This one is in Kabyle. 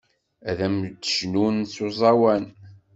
Ad am-d-cnun s uẓawan.